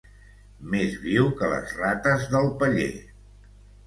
Més viu que les rates del paller.